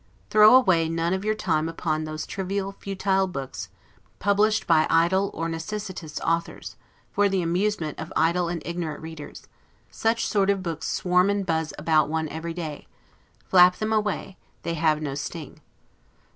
Throw away none of your time upon those trivial, futile books, published by idle or necessitous authors, for the amusement of idle and ignorant readers; such sort of books swarm and buzz about one every day; flap them away, they have no sting.